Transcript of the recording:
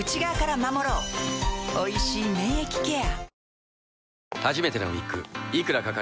おいしい免疫ケア